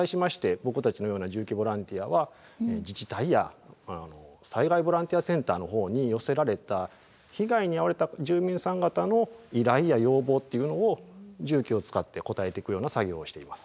僕たちのような重機ボランティアは自治体や災害ボランティアセンターの方に寄せられた被害に遭われた住民さん方の依頼や要望っていうのを重機を使ってこたえていくような作業をしています。